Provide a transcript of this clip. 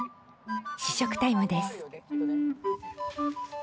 試食タイムです。